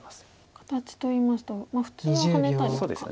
形といいますと普通はハネたりとかオサエですが。